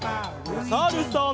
おさるさん。